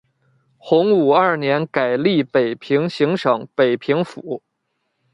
洪武二年改隶北平行省北平府。